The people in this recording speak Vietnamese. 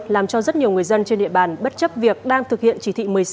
làm cho rất nhiều người dân trên địa bàn bất chấp việc đang thực hiện chỉ thị một mươi sáu